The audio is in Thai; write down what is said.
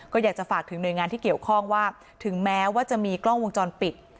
ก็อยากจะฝากถึงหน่วยงานที่เกี่ยวข้องว่าถึงแม้ว่าจะมีกล้องวงจรปิด